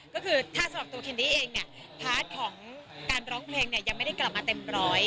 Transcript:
ก็คือถ้าสำหรับตัวแคนดี้เองเนี่ยพาร์ทของการร้องเพลงเนี่ยยังไม่ได้กลับมาเต็มร้อย